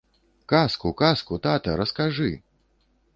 Казку, казку, тата, раскажы!